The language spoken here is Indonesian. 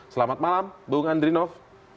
selamat malam bu andrinov